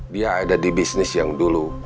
dia ada di bisnis yang dulu